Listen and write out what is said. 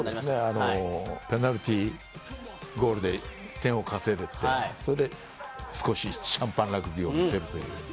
ペナルティーゴールで点を稼いでって、それで少しシャンパンラグビーを見せるという。